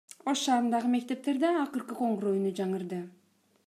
Ош шаарындагы мектептерде акыркы коңгуроо үнү жаңырды.